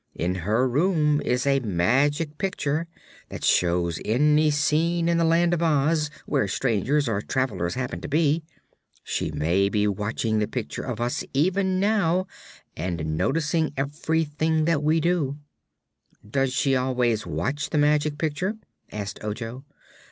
"In her room is a Magic Picture that shows any scene in the Land of Oz where strangers or travelers happen to be. She may be watching the picture of us even now, and noticing everything that we do." "Does she always watch the Magic Picture?" asked Ojo.